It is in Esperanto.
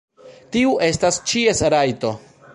Tiu estas ĉies rajto.